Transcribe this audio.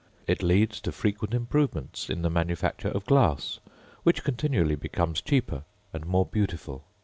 It leads to frequent improvements in the manufacture of glass, which continually becomes cheaper and more beautiful.